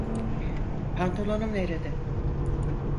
Pantolonum nerede?